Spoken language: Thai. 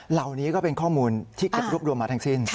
เหล่านี้ก็เป็นข้อมูลที่เก็บรวบรวมมาทั้งสิ้น